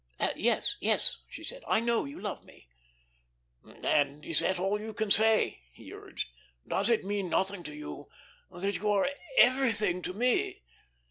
"Yes, yes," she said; "I know you love me." "And is that all you can say?" he urged. "Does it mean nothing to you that you are everything to me?"